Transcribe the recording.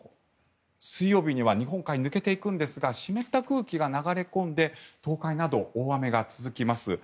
水曜日には日本海に抜けていくんですが湿った空気が流れ込んで東海など大雨が続きます。